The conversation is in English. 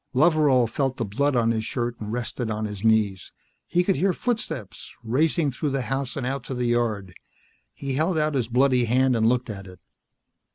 Loveral felt of the blood on his shirt and rested on his knees. He could hear footsteps, racing through the house and out to the yard. He held out his bloody hand and looked at it.